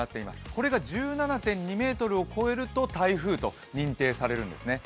これが１７．２ｍを超えると台風と認定されるんですね。